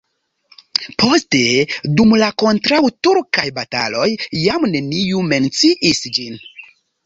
Poste dum la kontraŭturkaj bataloj jam neniu menciis ĝin.